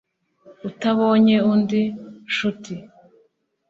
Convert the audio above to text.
Utabonye undi nshuti